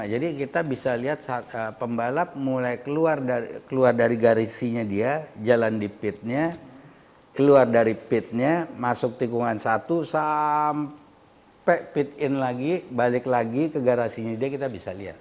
jadi kita bisa lihat pembalap mulai keluar dari garisinya dia jalan di pitnya keluar dari pitnya masuk tikungan satu sampai pit in lagi balik lagi ke garisinya dia kita bisa lihat